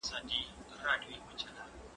هغه څوک چي درسونه اوري پوهه زياتوي؟!